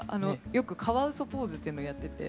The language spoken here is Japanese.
よくカワウソポーズというのをやってて。